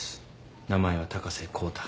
名前は高瀬康太。